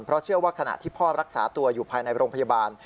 เพราะเชื่อว่าขณะที่พ่อรักษาตัวอยู่ภายในโรงพยาบาล